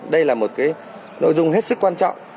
đây là nội dung hết sức quan trọng